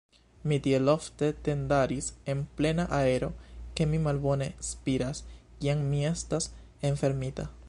Mi tiel ofte tendaris en plena aero, ke mi malbone spiras, kiam mi estas enfermita.